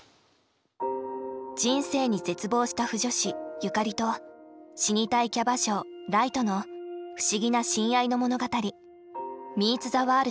人生に絶望した腐女子由嘉里と死にたいキャバ嬢ライとの不思議な親愛の物語「ミーツ・ザ・ワールド」。